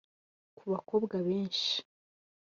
Ku bakobwa benshi